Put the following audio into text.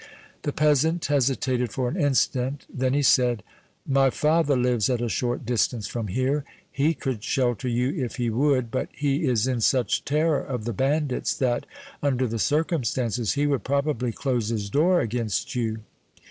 The peasant hesitated for an instant; then he said: "My father lives at a short distance from here; he could shelter you if he would, but he is in such terror of the bandits that, under the circumstances, he would probably close his door against you."